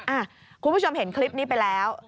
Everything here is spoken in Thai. คุณผู้ชมเห็นคลิปนี้ไปแล้ว